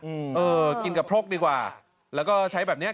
เออกินกับพรกดีกว่าแล้วก็ใช้แบบเนี้ย